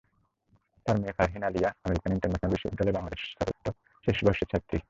তাঁর মেয়ে Farhin Aliya American International বিশ্ববিদ্যালয়—বাংলাদেশের স্থাপত্য শেষ বর্ষের ছাত্রী।